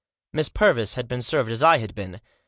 Miss Purvis had been served as I had been.